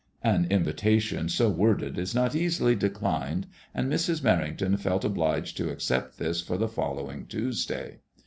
" An invitation so worded is not easily declined, and Mrs. Mer rington felt obliged to accept this for the following Tuesday.